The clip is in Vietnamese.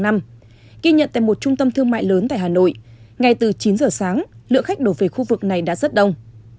ghi nhận tại một trung tâm thương mại lớn tại hà nội ngay từ chín giờ sáng lượng khách đổ về khu vực này đã rất đông